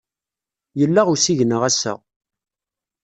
Yella usigna ass-a.